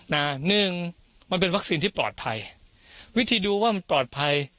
หนึ่งมันเป็นวัคซีนที่ปลอดภัยวิธีดูว่ามันปลอดภัย